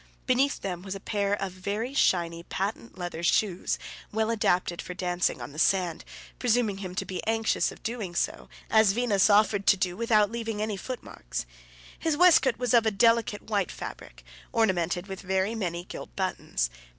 Beneath them there was a pair of very shiny patent leather shoes, well adapted for dancing on the sand, presuming him to be anxious of doing so, as Venus offered to do, without leaving any footmarks. His waistcoat was of a delicate white fabric, ornamented with very many gilt buttons.